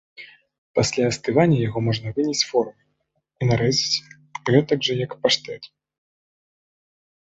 Пасля астывання яго можна выняць з формы і нарэзаць гэтак жа, як паштэт.